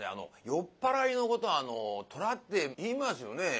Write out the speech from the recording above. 酔っ払いのことを「虎」って言いますよね？